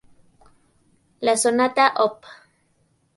La Sonata Op.